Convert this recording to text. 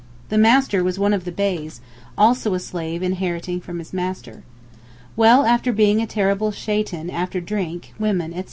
The master was one of the Beys, also a slave inheriting from his master. Well after being a terrible Shaitan (devil) after drink, women, etc.